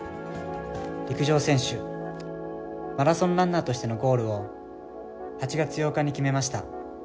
陸上選手、マラソンランナーとしてのゴールを８月８日に決めました。